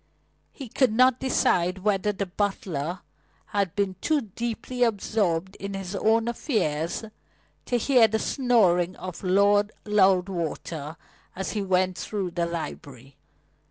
He could not decide whether the butler had been too deeply absorbed in his own affairs to hear the snoring of Lord Loudwater as he went through the library.